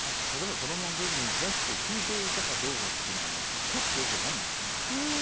例えば子どもの時にクラシックを聴いていたかどうかっていうのはねちょっとよく分かんないですね。